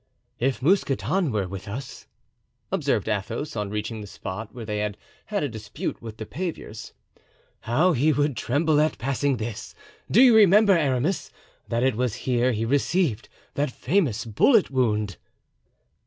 "If Mousqueton were with us," observed Athos, on reaching the spot where they had had a dispute with the paviers, "how he would tremble at passing this! Do you remember, Aramis, that it was here he received that famous bullet wound?"